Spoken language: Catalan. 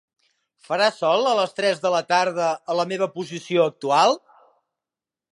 Farà sol a les tres de la tarda a la meva posició actual?